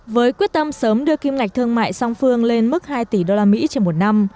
với quyết tâm sớm đưa kim ngạch thương mại song phương lên mức hai tỷ usd trên một năm